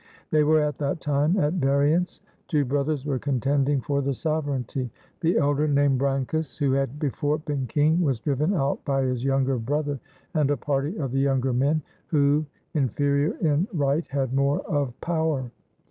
They were at that time at variance. Two brothers were contending for the sovereignty. The elder, named Brancus, who had before been king, was driven out by his younger brother and a party of the younger men, who, inferior in right, had more of power.